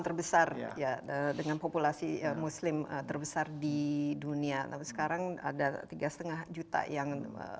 terbesar ya dengan populasi muslim terbesar di dunia tapi sekarang ada tiga lima juta yang